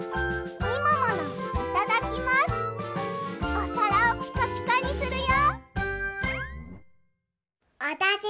おさらをピカピカにするよ！